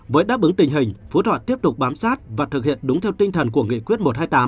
với đáp ứng tình hình phú thọ tiếp tục bám sát và thực hiện đúng theo tinh thần của nghị quyết một trăm hai mươi tám